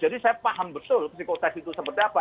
jadi saya paham betul psikotest itu seperti apa